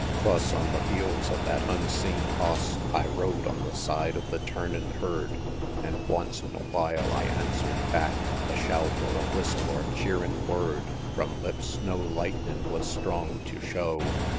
XLVI. Clus on the heels of that unseen hoss, I rode on the side of the turnin' herd, An' once in a while I answer'd back A shout or a whistle or cheerin' word From lips no lightnin' was strong tew show.